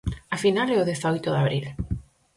A final é o dezaoito de abril.